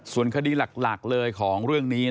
ส่วนคดีหลักเลยของเรื่องนี้